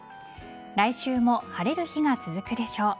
来週も晴れる日が続くでしょう。